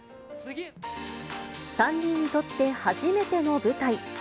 ３人にとって初めての舞台。